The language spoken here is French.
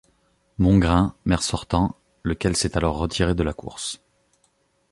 Mongrain, maire sortant, lequel s'est alors retiré de la course.